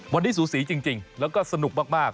วันนี้สูสีจริงแล้วก็สนุกมาก